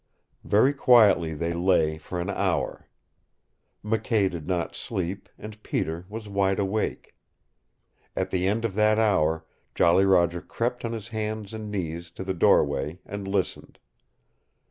Very quietly they lay for an hour. McKay did not sleep, and Peter was wide awake. At the end of that hour Jolly Roger crept on his hands and knees to the doorway and listened.